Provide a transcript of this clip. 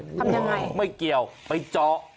ทำยังไงไม่เกี่ยวไปเจาะ